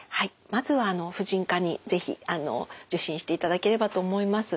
まずは婦人科に是非受診していただければと思います。